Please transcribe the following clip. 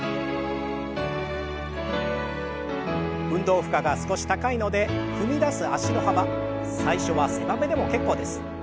運動負荷が少し高いので踏み出す脚の幅最初は狭めでも結構です。